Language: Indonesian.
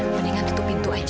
mendingan tutup pintu aja